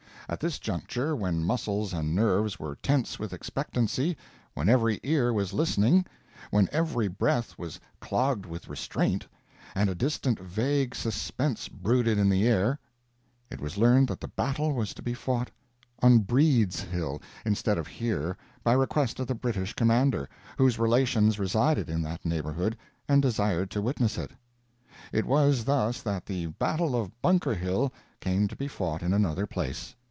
At this juncture, when muscles and nerves were tense with expectancy, when every ear was listening, when every breath was clogged with restraint, and a dismal vague suspense brooded in the air, it was learned that the battle was to be fought on Breed's Hill, instead of here, by request of the British commander, whose relations resided in that neighborhood, and desired to witness it. It was thus that the battle of Bunker Hill came to be fought in another place.